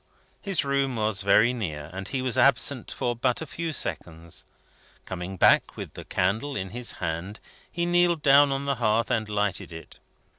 His room was very near, and he was absent for but a few seconds. Coming back with the candle in his hand, he kneeled down on the hearth and lighted it.